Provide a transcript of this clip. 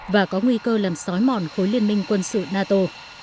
và có nguy cơ làm sói mòn khối liên minh quân sự nato